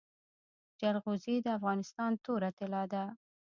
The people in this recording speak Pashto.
جلغوزي د افغانستان توره طلا ده